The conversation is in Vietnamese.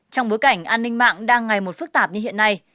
trong bối cảnh an ninh mạng đang ngày một phức tạp như hiện nay